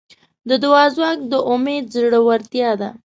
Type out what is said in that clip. د دعا ځواک د امید زړورتیا ده.